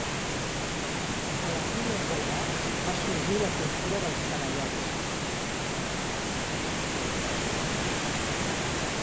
A les Illes Balears, va sorgir la cultura dels talaiots.